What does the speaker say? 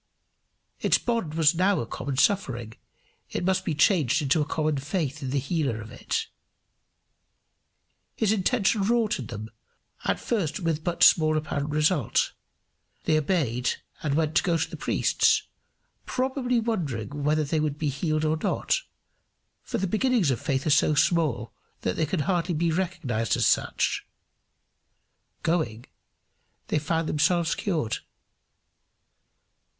Its bond was now a common suffering; it must be changed to a common faith in the healer of it. His intention wrought in them at first with but small apparent result. They obeyed, and went to go to the priests, probably wondering whether they would be healed or not, for the beginnings of faith are so small that they can hardly be recognized as such. Going, they found themselves cured.